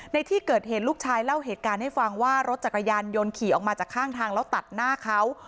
ในที่เกิดเหตุลูกชายเล่าเหตุการณ์ให้ฟังว่ารถจักรยานยนต์ขี่ออกมาจากข้างทางแล้วตัดหน้าเขา